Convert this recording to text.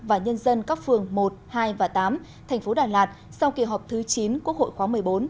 và nhân dân các phường một hai và tám thành phố đà lạt sau kỳ họp thứ chín quốc hội khóa một mươi bốn